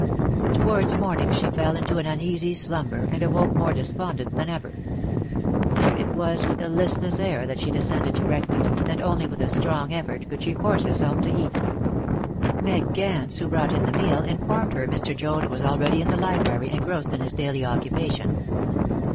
Towards morning she fell into an uneasy slumber, and awoke more despondent than ever. It was with a listless air that she descended to breakfast, and only with a strong effort could she force herself to eat. Meg Gance, who brought in the meal, informed her Mr. Joad was already in the library, engrossed in his daily occupation.